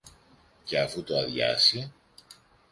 και αφού το αδειάσει